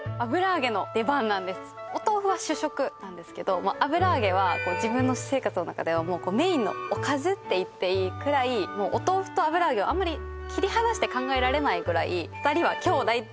もうね油揚げは自分の私生活の中ではもうメインのおかずって言っていいくらいお豆腐と油揚げはあんまり切り離して考えられないぐらい２人は兄弟っていう感じで